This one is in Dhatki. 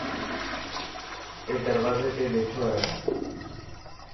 اي دروازي تي ٻيٺو هي.